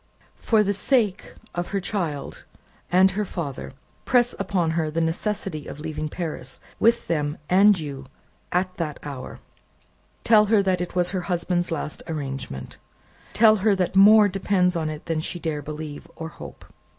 "For the sake of her child and her father, press upon her the necessity of leaving Paris, with them and you, at that hour. Tell her that it was her husband's last arrangement. Tell her that more depends upon it than she dare believe, or hope.